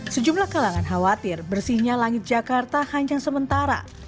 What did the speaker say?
sejumlah kalangan khawatir bersihnya langit jakarta hancang sementara